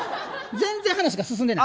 話が進んでない。